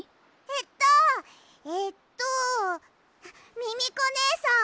えっとえっとミミコねえさん